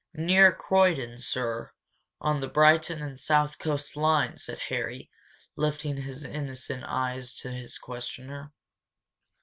"Near Croydon, sir, on the Brighton and South Coast Line," said Harry, lifting his innocent eyes to his questioner.